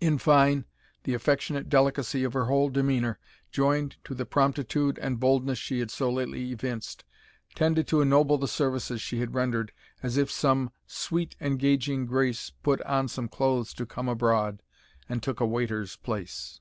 In fine, the affectionate delicacy of her whole demeanour, joined to the promptitude and boldness she had so lately evinced, tended to ennoble the services she had rendered, as if some sweet engaging Grace Put on some clothes to come abroad, And took a waiter's place.